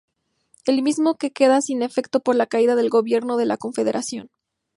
El mismo que queda sin efecto por la caída del gobierno de la confederación.